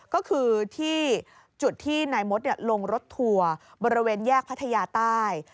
ก็คือที่จุดที่นายมดลงรถทัวร์บริเวณแยกพัทยาใต้